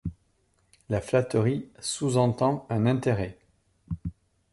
La flatterie sous-entend un intérêt.